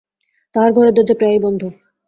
তাঁহার ঘরের দরজা প্রায়ই বন্ধ।